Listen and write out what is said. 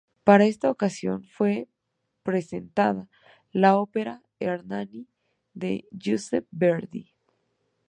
Para esta ocasión fue presentada la ópera "Ernani", de Giuseppe Verdi.